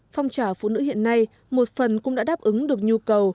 phong trào phụ nữ hiện nay một phần cũng đã đáp ứng được nhu cầu